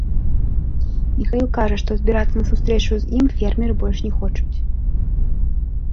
Міхаіл кажа, што збірацца на сустрэчу з ім фермеры больш не хочуць.